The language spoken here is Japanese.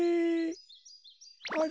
あれ？